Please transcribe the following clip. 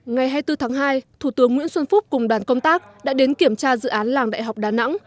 ngày hai mươi bốn tháng hai thủ tướng nguyễn xuân phúc cùng đoàn công tác đã đến kiểm tra dự án làng đại học đà nẵng